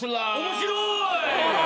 「面白い」！